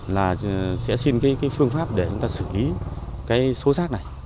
là sẽ xin cái phương pháp để chúng ta xử lý cái số rác này